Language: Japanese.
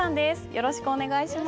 よろしくお願いします。